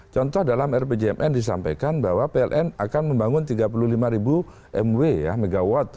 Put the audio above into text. contoh dalam rpjmn disampaikan bahwa pln akan membangun tiga puluh lima ribu mw